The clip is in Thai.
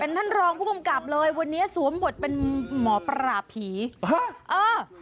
ท่านรองผู้กำกับเลยวันนี้สวมบทเป็นหมอปราบผีฮะเออ